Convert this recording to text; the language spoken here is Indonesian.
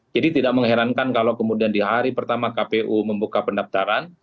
jadi tidak mengherankan kalau kemudian di hari pertama kpu membuka pendaftaran